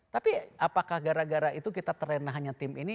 tapi apakah gara gara itu kita terlena hanya tim ini